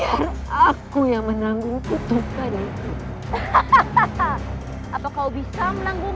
jika kau mampu menanggung sepuluh pukulan cemetiku tanpa menanggung